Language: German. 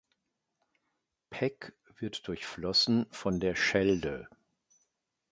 Pecq wird durchflossen von der Schelde.